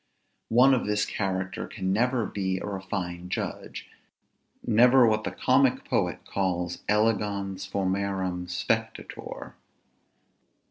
One of this character can never be a refined judge; never what the comic poet calls elegans formarum spectator.